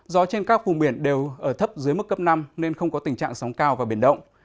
gió trên các vùng biển đều ở thấp dưới mức cấp năm nên không có tình trạng sóng cao và biển động